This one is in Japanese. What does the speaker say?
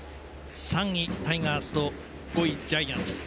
３位、タイガースと５位、ジャイアンツ。